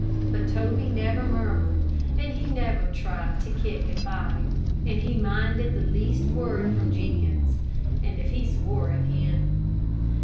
But Toby never murmured, and he never tried to kick and bite, and he minded the least word from Jenkins, and if he swore at him.